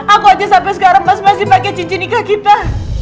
aku aja sampe sekarang masih pakai cincin nikah kita